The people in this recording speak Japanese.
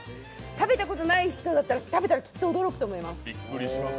食べたことない人だったら、食べたらびっくりすると思います。